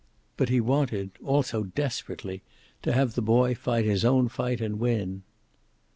But he wanted, also desperately, to have the boy fight his own fight and win.